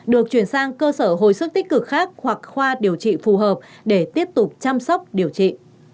được chuyển sang cơ sở hồi sức tích cực khác hoặc khoa điều trị phù hợp để tiếp tục chăm sóc điều trị